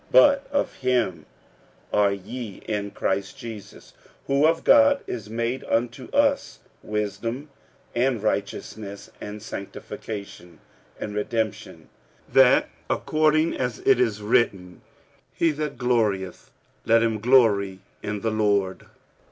46:001:030 But of him are ye in Christ Jesus, who of God is made unto us wisdom, and righteousness, and sanctification, and redemption: 46:001:031 That, according as it is written, He that glorieth, let him glory in the Lord.